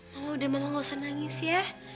mama udah mama nggak usah nangis ya